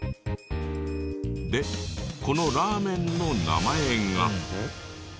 でこのラーメンの名前が。